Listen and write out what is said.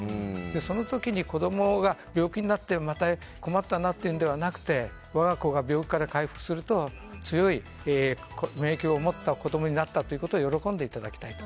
その時に子供が病気になってまた困ったなというのではなくて我が子が病気から回復すると強い免疫を持った子供になったことを喜んでいただきたいと。